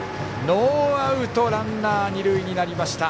ノーアウトランナー、二塁になりました。